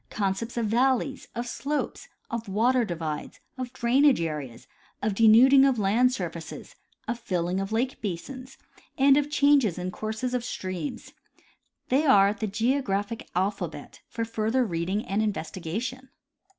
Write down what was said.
concepts of valleys, of slopes, of water divides, of drainage areas, of denuding of land surfaces, of filling of lake basins, and of changes in courses of streams. They are the geographic alpha bet for further reading and investigation.